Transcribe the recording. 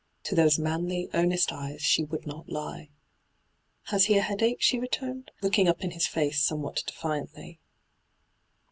To those manly, earnest eyes she would not He. ' Has he a headache V she returned, looking up in his face somewhat defiantly.